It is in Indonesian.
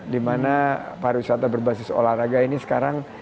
dimana para wisata berbasis olahraga ini sekarang